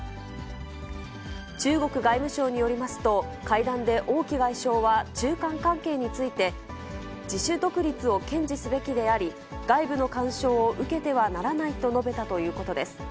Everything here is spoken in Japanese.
中国外務省によりますと、会談で王毅外相は中韓関係について、自主独立を堅持すべきであり、外部の干渉を受けてはならないと述べたということです。